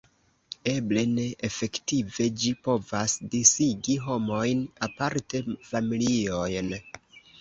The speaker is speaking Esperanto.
Eble ne: efektive ĝi povas disigi homojn, aparte familiojn.